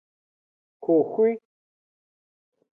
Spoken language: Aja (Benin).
Xoxwi.